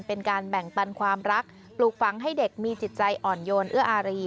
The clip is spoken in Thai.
เป็นการแบ่งปันความรักปลูกฝังให้เด็กมีจิตใจอ่อนโยนเอื้ออารี